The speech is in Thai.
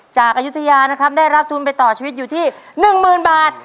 จากอายุทยานะครับได้รับทุนไปต่อชีวิตอยู่ที่หนึ่งหมื่นบาท